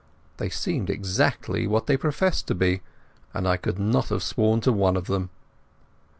They seemed exactly what they professed to be, and I could not have sworn to one of them.